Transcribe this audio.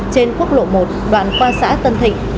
trên quốc lộ một đoạn qua xã tân thịnh